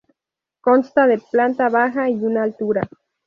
Consta de planta baja y una altura.